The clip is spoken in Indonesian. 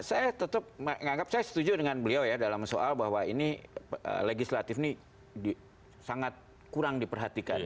saya tetap menganggap saya setuju dengan beliau ya dalam soal bahwa ini legislatif ini sangat kurang diperhatikan